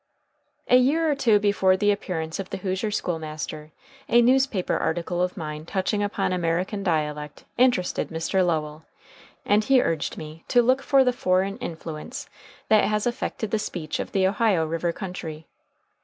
A year or two before the appearance of "The Hoosier School Master," a newspaper article of mine touching upon American dialect interested Mr. Lowell, and he urged me to "look for the foreign influence" that has affected the speech of the Ohio River country.